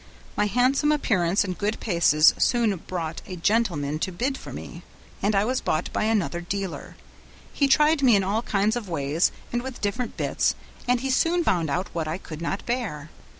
My handsome appearance and good paces soon brought a gentleman to bid for me, and I was bought by another dealer; he tried me in all kinds of ways and with different bits, and he soon found out what I could not bear.